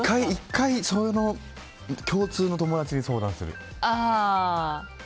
１回、共通の友達に相談する。